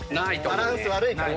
バランス悪いから。